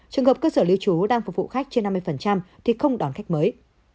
trường hợp cơ sở lưu trú đang phục vụ khách trên năm mươi thì không đón khách mới